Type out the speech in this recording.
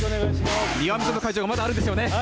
庭見世の会場がまだあるんですよね。